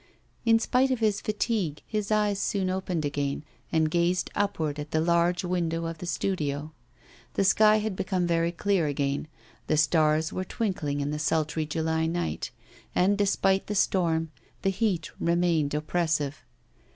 In spite of his fatigue, his eyes soon opened again, and gazed upward at the large window of the studio. The sky had become very clear again, the stars were twinkling in the sultry July night, and, despite the storm, the heat remained oppressive.